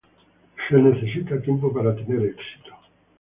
Se necesita tiempo para tener éxito